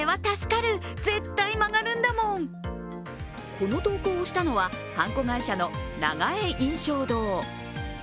この投稿をしたのははんこ会社の永江印祥堂。